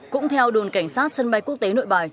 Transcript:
cũng theo đồn cảnh sát sân bay quốc tế nội bài